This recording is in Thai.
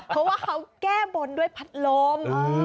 เพราะว่าเขาแก้บนด้วยพัดลม